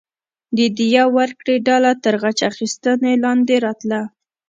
د دیه ورکړې ډله تر غچ اخیستنې لاندې راتله.